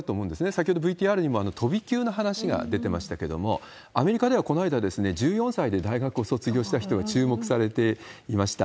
先ほどＶＴＲにも飛び級の話が出てましたけれども、アメリカではこの間、１４歳で大学を卒業した人が注目されていました。